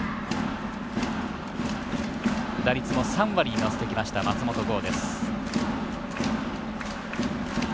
打率も３割に乗せてきました松本剛です。